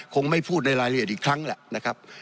คงไม่พูดในรายละเอียดอีกครั้งแหละนะครับ